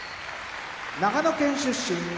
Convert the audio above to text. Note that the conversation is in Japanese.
長野県出身